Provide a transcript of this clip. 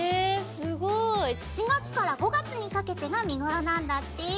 すごい！４月から５月にかけてが見頃なんだって！